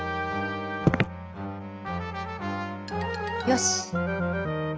「よし」。